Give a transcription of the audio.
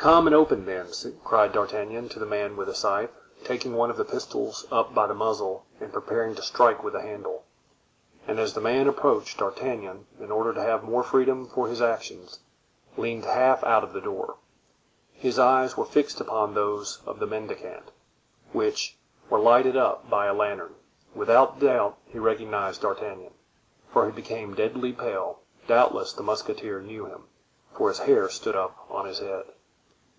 "Come and open, then!" cried D'Artagnan to the man with the scythe, taking one of the pistols up by the muzzle and preparing to strike with the handle. And as the man approached, D'Artagnan, in order to have more freedom for his actions, leaned half out of the door; his eyes were fixed upon those of the mendicant, which were lighted up by a lantern. Without doubt he recognized D'Artagnan, for he became deadly pale; doubtless the musketeer knew him, for his hair stood up on his head.